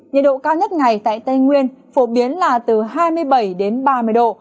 nhiệt độ cao nhất ngày tại tây nguyên phổ biến là từ hai mươi bảy đến ba mươi độ